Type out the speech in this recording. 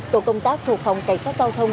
tổ công tác thuộc phòng cảnh sát giao thông